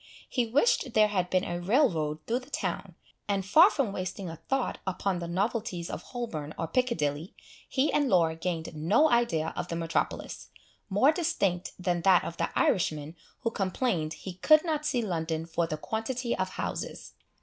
He wished there had been a rail road through the town; and far from wasting a thought upon the novelties of Holborn or Piccadilly, he and Laura gained no idea of the metropolis, more distinct than that of the Irishman who complained he could not see London for the quantity of houses.